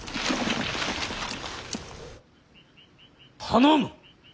頼む。